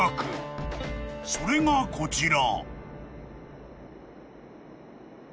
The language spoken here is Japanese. ［それがこちら］